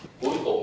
của các đối tượng